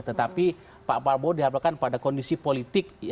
tetapi pak parbowo diharapkan pada kondisi politik